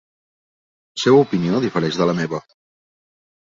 La seva opinió difereix de la meva.